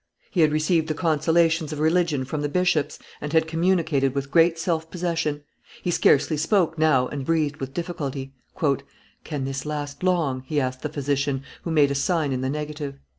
He had received the consolations of religion from the bishops, and had communicated with great self possession; he scarcely spoke now, and breathed with difficulty. "Can this last long?" he asked the physician, who made a sign in the negative.